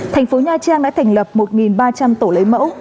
thành phố nha trang đã thành lập một ba trăm linh tổ lấy mẫu